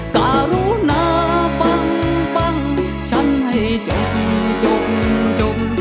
การุนาฟังฟังฉันให้จบจบจบ